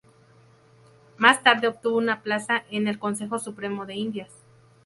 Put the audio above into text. Más tarde obtuvo una plaza en el Consejo Supremo de Indias.